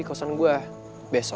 ini kan udah malem